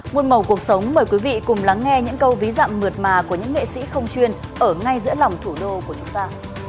nguồn màu cuộc sống mời quý vị cùng lắng nghe những câu ví dạm mượt mà của những nghệ sĩ không chuyên ở ngay giữa lòng thủ đô của chúng ta